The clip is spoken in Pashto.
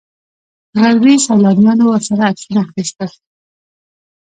غربي سیلانیانو ورسره عکسونه اخیستل.